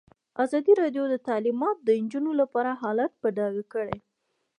ازادي راډیو د تعلیمات د نجونو لپاره حالت په ډاګه کړی.